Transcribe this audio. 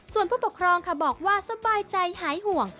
ส่วนผู้ปกครองค่ะบอกว่าสบายใจหายห่วง